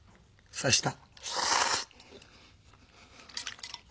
刺した。